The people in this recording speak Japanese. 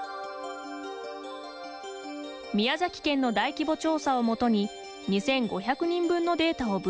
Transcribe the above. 宮崎県の大規模調査を基に２５００人分のデータを分析。